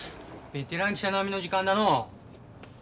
ベテラン記者並みの時間だのう。